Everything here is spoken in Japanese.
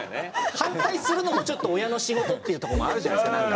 反対するのもちょっと親の仕事っていうとこもあるじゃないですか、なんか。